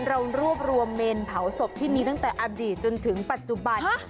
เรารวบรวมเมนเผาศพที่มีตั้งแต่อดีตจนถึงปัจจุบัน